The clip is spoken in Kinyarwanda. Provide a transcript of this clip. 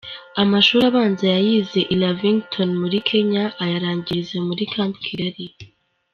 Amashuri abanza yayize i Lavington muri Kenya, ayarangiriza muri Camp Kigali.